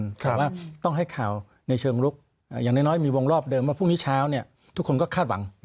แต่ว่าต้องให้ข่าวในเชิงลุกอย่างน้อยมีวงรอบเดิมว่าพรุ่งนี้เช้าเนี่ยทุกคนก็คาดหวัง